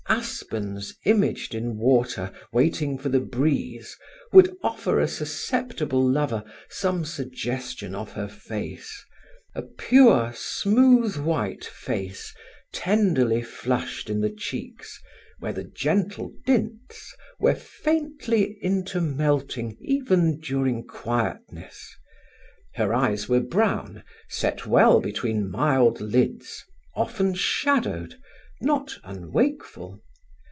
Aspens imaged in water, waiting for the breeze, would offer a susceptible lover some suggestion of her face: a pure, smooth white face, tenderly flushed in the cheeks, where the gentle dints, were faintly intermelting even during quietness. Her eyes were brown, set well between mild lids, often shadowed, not unwakeful.